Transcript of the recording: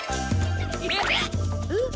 えっ？